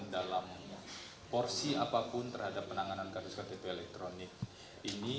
dalam porsi apapun terhadap penanganan kasus ktp elektronik ini